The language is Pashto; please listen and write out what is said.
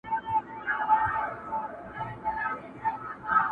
• یار به ملا تړلی حوصلې د دل دل واغوندم..